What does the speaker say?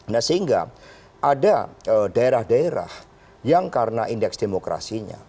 nah sehingga ada daerah daerah yang karena indeks demokrasinya